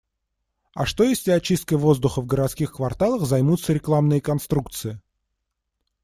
А что если очисткой воздуха в городских кварталах займутся рекламные конструкции